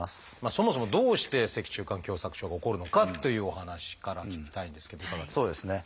そもそもどうして脊柱管狭窄症が起こるのかっていうお話から聞きたいんですけどいかがですか？